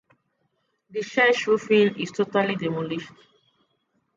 The church roofing is totally demolished.